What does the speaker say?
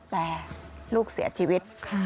แต่ลูกเสียชีวิต